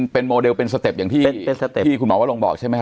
เป็นโมเดลเป็นสเต็ปอย่างที่สเต็ปที่คุณหมอวรงบอกใช่ไหมฮ